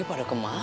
ini pada kemana ya